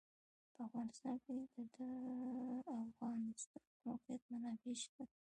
په افغانستان کې د د افغانستان د موقعیت منابع شته.